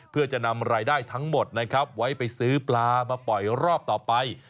เพื่อจะนำรายได้ทั้งหมดนะครับไว้ไปซื้อปลามาปล่อยรอบต่อไป